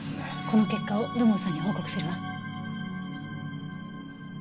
この結果を土門さんに報告するわ。